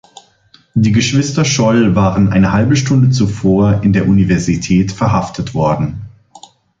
Die Geschwister Scholl waren eine halbe Stunde zuvor in der Universität verhaftet worden.